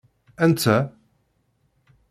Anta?